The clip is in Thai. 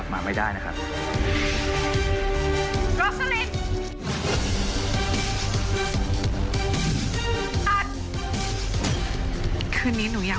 ก็ฝากด้วยนะคะก็สะครอนเรื่องนี้นับรองว่า